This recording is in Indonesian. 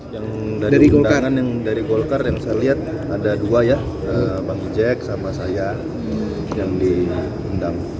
yang dari undangan yang dari golkar yang saya lihat ada dua ya bang ujek sama saya yang diundang